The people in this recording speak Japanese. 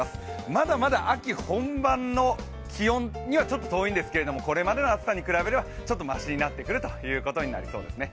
まだまだ秋本番の気温にはちょっと遠いんですけど、これまでの暑さに比べれば、ちょっと、ましになってくるということになりそうですね。